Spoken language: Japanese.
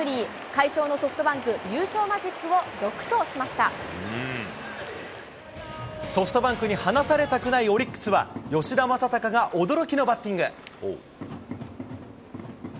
快勝のソフトバンク、優勝マジッソフトバンクに離されたくないオリックスは、吉田正尚が驚きのバッティング。